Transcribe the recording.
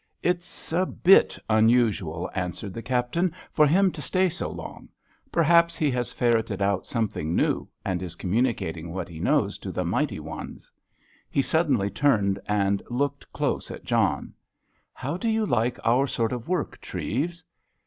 "It's a bit unusual," answered the Captain, "for him to stay so long. Perhaps he has ferreted out something new, and is communicating what he knows to the mighty ones." He suddenly turned and looked close at John. "How do you like our sort of work, Treves?"